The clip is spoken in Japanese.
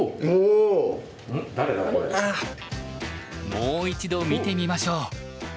もう一度見てみましょう。